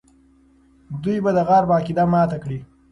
دوی به د غرب عقیده ماته کړي.